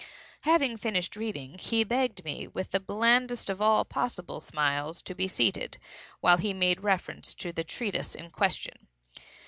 Having finished reading, he begged me, with the blandest of all possible smiles, to be seated, while he made reference to the treatise in question.